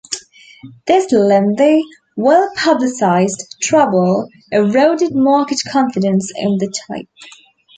This lengthy, well-publicised trouble eroded market confidence in the type.